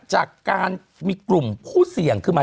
จากการมีกลุ่มผู้เสี่ยงขึ้นมา